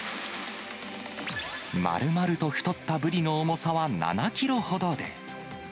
丸々と太ったブリの重さは７キロほどで。